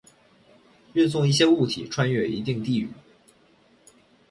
运送一些物体穿越一定地域。